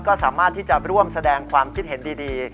ก็สามารถที่จะร่วมแสดงความคิดเห็นดี